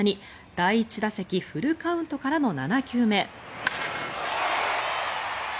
第１打席フルカウントからの７球目。